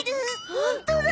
ホントだ！